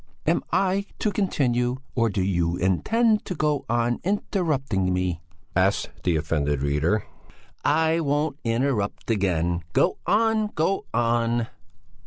'" "Am I to continue? Or do you intend to go on interrupting me?" asked the offended reader. "I won't interrupt again. Go on! Go on!"